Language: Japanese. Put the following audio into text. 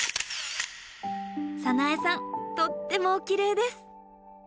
早苗さんとってもおきれいです！